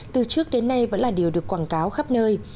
từ trước đến nay vẫn là điều được quảng cáo khắp nơi